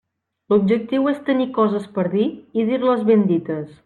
L'objectiu és tenir coses per dir i dir-les ben dites.